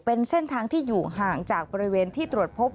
เป็นเส้นทางที่อยู่ห่างจากบริเวณที่ตรวจพบ